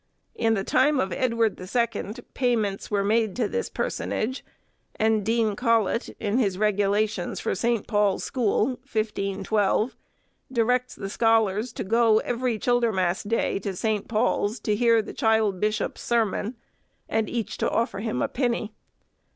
In the time of Edward the Second payments were made to this personage; and Dean Colet, in his regulations for St. Paul's School, 1512, directs the scholars to go every Childermas Day to St. Paul's to hear the child bishop's sermon, and each to offer him a penny.